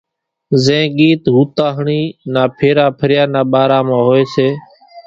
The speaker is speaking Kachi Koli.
زين ڳيت ھوتاۿڙي نا ڦيرا ڦريان نا ٻارا مان ھوئي سي،